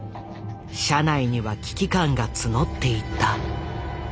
社内には危機感が募っていった。